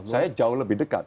saya jauh lebih dekat